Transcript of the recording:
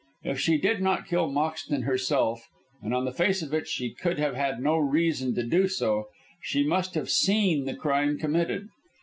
If she did not kill Moxton herself, and on the face of it she could have had no reason to do so, she must have seen the crime committed.